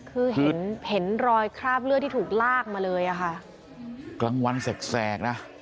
คือเห็นเห็นรอยคราบเลือดที่ถูกลากมาเลยอ่ะค่ะกลางวันแสกนะ